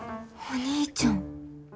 お兄ちゃん。